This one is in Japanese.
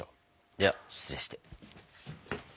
では失礼して。